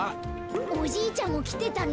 おじいちゃんもきてたの？